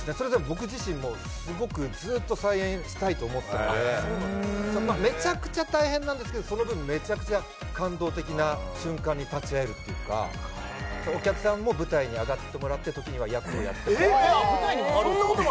僕自身もすごくずっと再演したいと思ってたのでめちゃくちゃ大変なんですけどその分めちゃくちゃ感動的な瞬間に立ち会えるっていうかお客さんも舞台に上がってもらって時には役をやってもらって舞台にも上がるんすか？